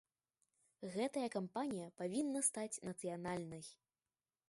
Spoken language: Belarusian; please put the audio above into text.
Гэтая кампанія павінна стаць нацыянальнай.